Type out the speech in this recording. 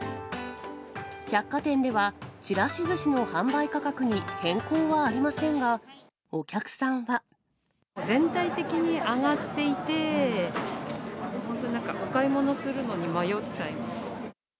百貨店では、ちらしずしの販売価格に変更はありませんが、お客さ全体的に上がっていて、本当になんかお買い物するのに迷っちゃいます。